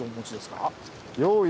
用意